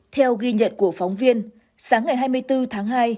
theo ghi nhận của phóng viên sáng ngày hai mươi bốn tháng hai